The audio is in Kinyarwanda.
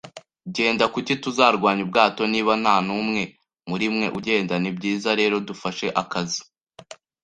genda, kuki tuzarwanya ubwato. Niba ntanumwe murimwe ugenda, nibyiza rero, dufashe akazu,